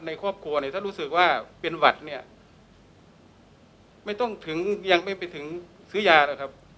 ครอบครัวเนี่ยถ้ารู้สึกว่าเป็นหวัดเนี่ยไม่ต้องถึงยังไม่ไปถึงซื้อยาหรอกครับ